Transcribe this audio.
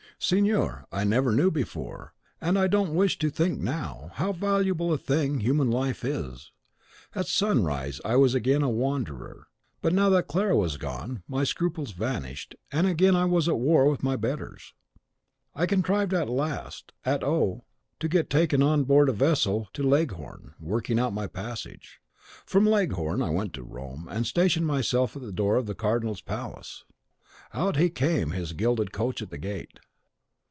Signor, I never knew before, and I don't wish to think now, how valuable a thing human life is. At sunrise I was again a wanderer; but now that Clara was gone, my scruples vanished, and again I was at war with my betters. I contrived at last, at O , to get taken on board a vessel bound to Leghorn, working out my passage. From Leghorn I went to Rome, and stationed myself at the door of the cardinal's palace. Out he came, his gilded coach at the gate.